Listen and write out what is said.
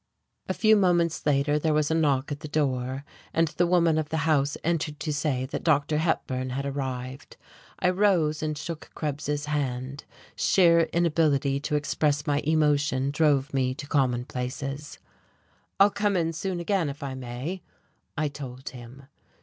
A few moments later there was a knock at the door, and the woman of the house entered to say that Dr. Hepburn had arrived. I rose and shook Krebs's hand: sheer inability to express my emotion drove me to commonplaces. "I'll come in soon again, if I may," I told him.